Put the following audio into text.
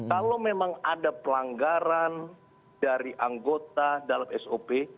kalau memang ada pelanggaran dari anggota dalam sop